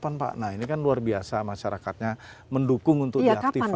nah ini kan luar biasa masyarakatnya mendukung untuk diaktifkan